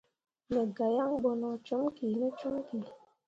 Me gah yan bo no com kine comki.